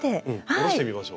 おろしてみましょう。